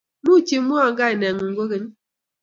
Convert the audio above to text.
Much imwowo kainengung kogeny?